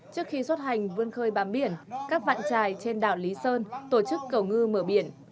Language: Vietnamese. trước khi xuất hành vươn khơi bám biển các vạn trài trên đảo lý sơn tổ chức cầu ngư mở biển